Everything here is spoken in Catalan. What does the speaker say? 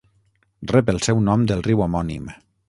Rep el seu nom del riu homònim.